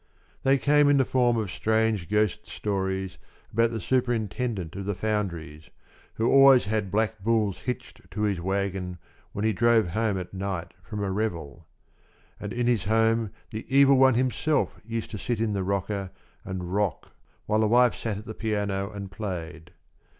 They came in the form of strange ghost stories about the superintendent of the foundries, who always had black bulls hitched to his wagon when he drove home at night from a revel. And in his home the Evil One himself used to sit in the rocker and rock while the wife sat at the piano and played.